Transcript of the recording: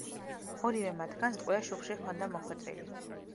ორივე მათგანს ტყვია შუბლში ჰქონდა მოხვედრილი.